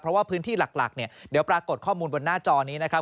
เพราะว่าพื้นที่หลักเนี่ยเดี๋ยวปรากฏข้อมูลบนหน้าจอนี้นะครับ